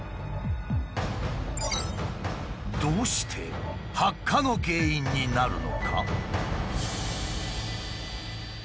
どうして発火の原因になるのか？